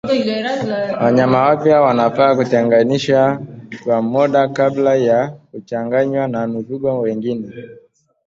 Wanyama wapya wanafaa kutenganishwa kwa muda kabla ya kuchanganywa na mifugo wengine